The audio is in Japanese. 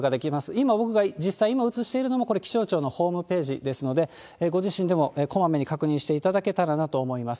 今、僕が実際今映しているのも気象庁のホームページですので、ご自身でもこまめに確認していただけたらなと思います。